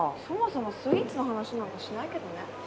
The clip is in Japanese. そもそもスイーツの話なんかしないけどね。